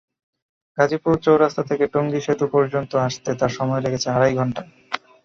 গাজীপুর চৌরাস্তা থেকে টঙ্গী সেতু পর্যন্ত আসতে তাঁর সময় লেগেছে আড়াই ঘণ্টা।